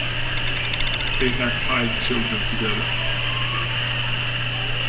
They had five children together.